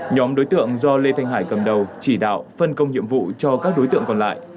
nhóm đối tượng do lê thanh hải cầm đầu chỉ đạo phân công nhiệm vụ cho các đối tượng còn lại